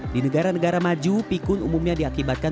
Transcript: di negara negara maju pikun umumnya diakibatkan